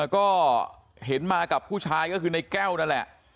ก็เห็นมากับผู้ชายก็คือในแก้วนั่นแหละ